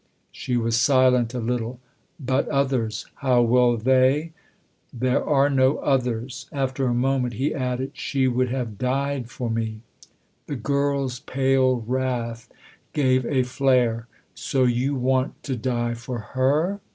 She was silent a little. " But others : how will they ?"" There are no others." After a moment he added :" She would have died for me." The girl's pale wrath gave a flare. "So you want to die for her?"